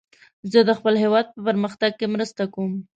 زه د خپل هیواد په پرمختګ کې مرسته کوم.